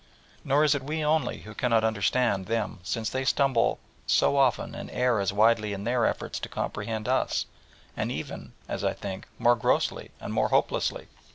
Nor is it we only who cannot understand them, since they stumble as often and err as widely in their efforts to comprehend us, and even, as I think, more grossly and more hopelessly.